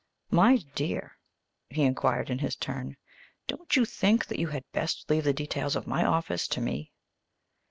"My dear," he inquired in his turn, "don't you think that you had best leave the details of my office to me?"